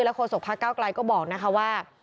และโฆษกภักดิ์เก้ากลายก็บอกว่า